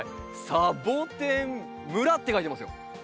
「さぼてん村」って書いてますよ。